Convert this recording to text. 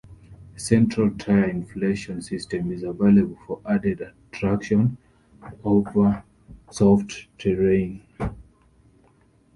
A central tyre-inflation system is available for added traction over soft terrain.